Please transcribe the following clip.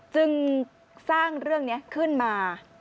จึงสร้างเรื่องนี้ขึ้นมา